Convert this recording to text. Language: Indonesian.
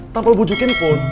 tanpa lo bujukin pun